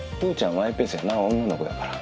マイペースやんな女の子やから。